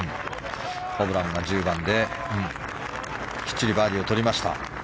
ホブランが１０番できっちりバーディーをとりました。